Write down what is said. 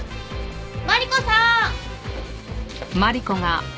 マリコさん！